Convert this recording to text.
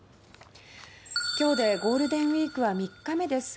今日でゴールデンウィークは３日目です。